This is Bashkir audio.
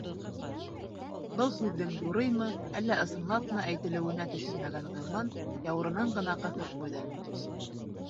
Был һүҙҙең юрыймы, әллә ысынлапмы әйтелеүенә төшөнмәгән Ғилман яурынын ғына ҡыҫып ҡуйҙы.